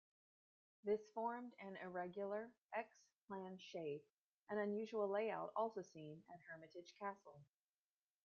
This formed an irregular 'X-plan' shape, an unusual layout also seen at Hermitage Castle.